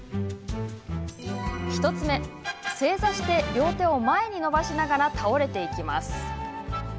１つ目正座して両手を前に伸ばしながら倒れていきます。